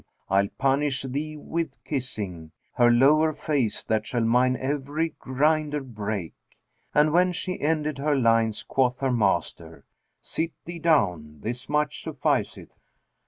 I'll punish thee with kissing[FN#385] * Her lower face that shall mine every grinder break!' And when she ended her lines, quoth her master, 'Sit thee down, this much sufficeth!'"